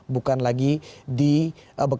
bukan lagi di jepang